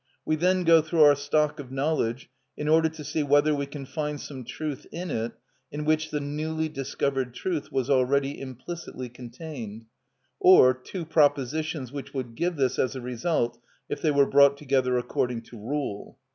We then go through our stock of knowledge in order to see whether we can find some truth in it in which the newly discovered truth was already implicitly contained, or two propositions which would give this as a result if they were brought together according to rule.